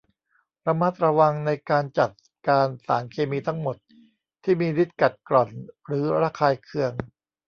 ระมัดระวังในการจัดการสารเคมีทั้งหมดที่มีฤทธิ์กัดกร่อนหรือระคายเคือง